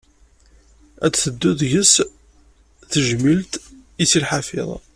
Ad d-teddu deg-s tejmilt i Si Lḥafiḍ.